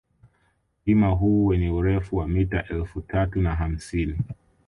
Mlima huu wenye urefu wa mita elfu tatu na hamsini